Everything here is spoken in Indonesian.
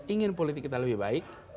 ingin politik kita lebih baik